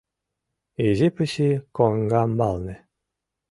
Изи пыси коҥгамбалне